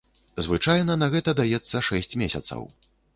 Звычайна на гэта даецца шэсць месяцаў.